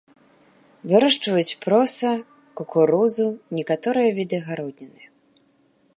Вырошчваюць проса, кукурузу, некаторыя віды гародніны.